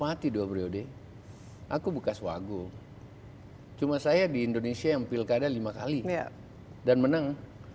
hati dua priode aku bekas wago hai cuma saya di indonesia yang pilkada lima kali dan menang